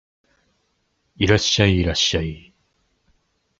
いらっしゃい、いらっしゃい